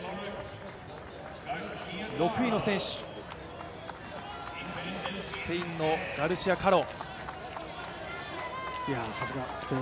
６位の選手、スペインのガルシア・カロ。